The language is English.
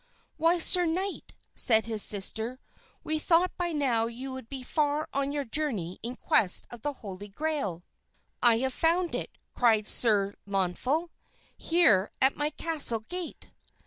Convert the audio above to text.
"Why, sir knight," said his sister, "we thought by now you would be far on your journey in quest of the Holy Grail." "I have found it," cried Sir Launfal, "here at my castle gate!"